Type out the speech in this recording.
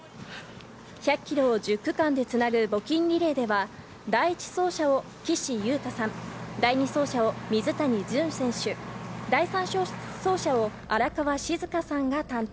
１００キロを１０区間でつなぐ募金リレーでは、第１走者を岸優太さん、第２走者を水谷隼選手、第３走者を荒川静香さんが担当。